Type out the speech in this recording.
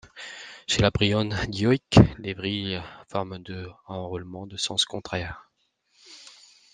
Chez la bryone dioïque, les vrilles forment deux enroulements de sens contraire.